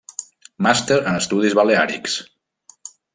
Màster en Estudis Baleàrics.